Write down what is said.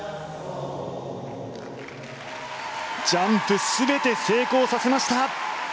ジャンプ全て成功させました！